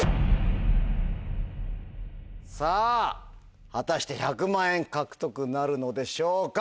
さぁ果たして１００万円獲得なるのでしょうか？